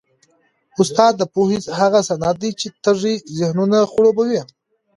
استاد د پوهې هغه سیند دی چي تږي ذهنونه خړوبوي.